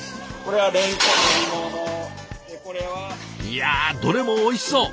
いやどれもおいしそう！